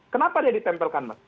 kenapa dia ditempelkan mas